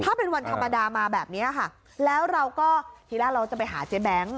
ถ้าเป็นวันธรรมดามาแบบนี้ค่ะแล้วเราก็ทีแรกเราจะไปหาเจ๊แบงค์